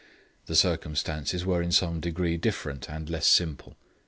The circumstances were in some degree different and less simple.